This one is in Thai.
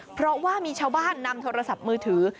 เพราะว่ามีชาวบ้านนำโทรศัพท์มือถือ